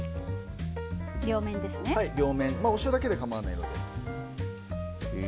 両面ですねお塩だけで構わないので。